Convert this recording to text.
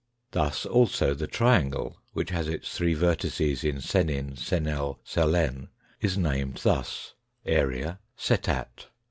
Thus also the triangle, which has its three vertices in senin, senel, selen, is named thus : Area : setat.